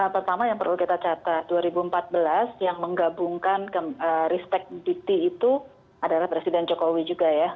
pertama yang perlu kita catat dua ribu empat belas yang menggabungkan ristek dikti itu adalah presiden jokowi juga ya